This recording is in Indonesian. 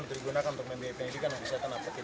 digunakan untuk membiayai pendidikan yang bisa tanah pekidat